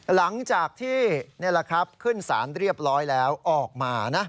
หลังจากที่ขึ้นศาลเรียบร้อยแล้วออกมานะ